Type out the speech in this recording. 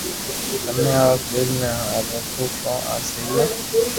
تمي آپ دل تي ھاٿ رکو ڪو آ سھي ھي